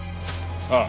ああ。